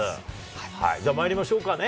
じゃあまいりましょうかね。